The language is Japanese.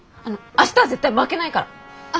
明日は絶対負けないから。